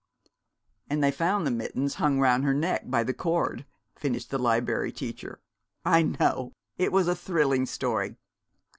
"And they found the mittens hung around her neck by the cord," finished the Liberry Teacher. "I know it was a thrilling story.